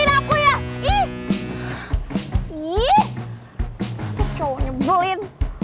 selian ya roll ya